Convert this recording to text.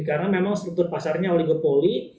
karena memang struktur pasarnya oligopoli